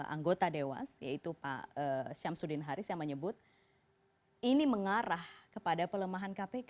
anggota dewas yaitu pak syamsuddin haris yang menyebut ini mengarah kepada pelemahan kpk